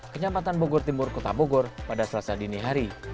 kenyampatan bogor timur kota bogor pada selasa dini hari